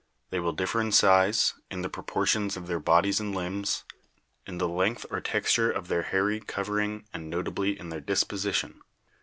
They will differ in size, in the proportions of their bodies and limbs, in the length or texture of their hairy covering and notably in their disposition.